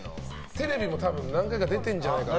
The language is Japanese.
テレビも何回か出てるんじゃないかな。